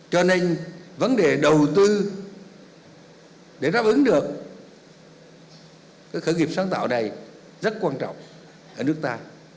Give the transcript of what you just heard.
cho nên vấn đề đầu tư để đáp ứng được khởi nghiệp sáng tạo này rất quan trọng ở nước ta